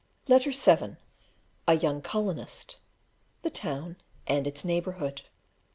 Letter VII: A young colonist. the town and its neighbourhood.